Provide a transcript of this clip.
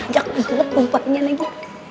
jangan lupa kumparnya lagi